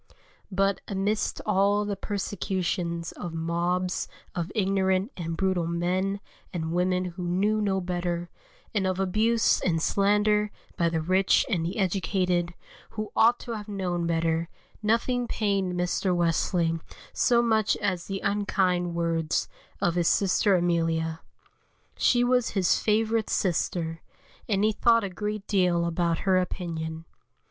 But amidst all the persecutions of mobs of ignorant and brutal men and women who knew no better, and of abuse and slander by the rich and the educated, who ought to have known better, nothing pained Mr. Wesley so much as the unkind words of his sister Emilia. She was his favourite sister, and he thought a great deal about her opinion.